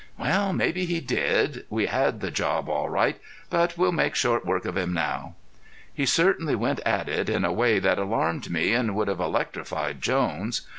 "Well, maybe he did. We had the job all right. But we'll make short work of him now." He certainly went at it in a way that alarmed me and would have electrified Jones.